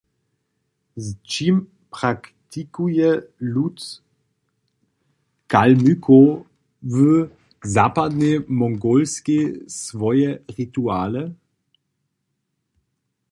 Z čim praktikuje lud Kalmykow w zapadnej Mongolskej swoje rituale?